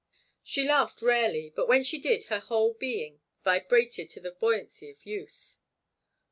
She laughed rarely, and when she did her whole being vibrated to the buoyancy of youth.